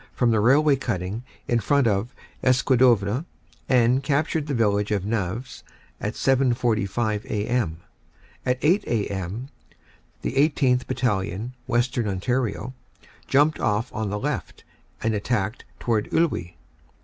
from the railway cutting in front of Escaudoeuvres, and captured the village of Naves at 7.45 a.m. At 8 a.m. the 18th. Battalion, Western Ontario, jumped off on the left and attacked towards Iwuy.